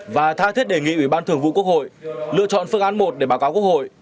và tha thiết đề nghị ủy ban thường vụ quốc hội lựa chọn phương án một để báo cáo quốc hội